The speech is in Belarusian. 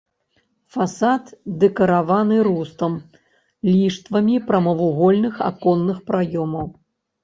Фасад дэкарыраваны рустам, ліштвамі прамавугольных аконных праёмаў.